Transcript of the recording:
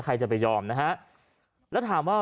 ใครจะไปยอมนะฮะ